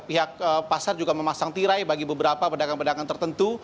pihak pasar juga memasang tirai bagi beberapa pedagang pedagang tertentu